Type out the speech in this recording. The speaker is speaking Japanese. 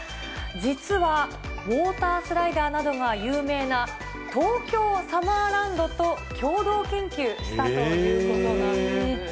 実はウォータースライダーなどが有名な東京サマーランドと共同研究したということなんです。